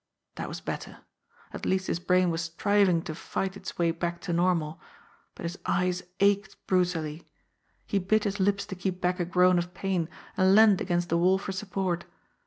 That was better ! At least his brain was striving to fight its way back to normal. But his eyes ached brutally. He bit his lips to keep back a groan of pain, and leaned against the wall for support.